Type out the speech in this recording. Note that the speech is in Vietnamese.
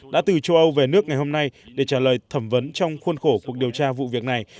đã từ châu âu về nước ngày hôm nay để trả lời thẩm vấn trong khuôn khổ cuộc điều tra vụ việc này